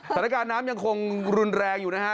สถานการณ์น้ำยังคงรุนแรงอยู่นะฮะ